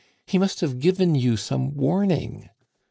He must have given you some warning."